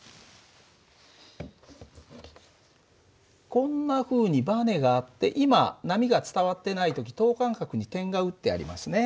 こんなふうにバネがあって今波が伝わってない時等間隔に点が打ってありますね。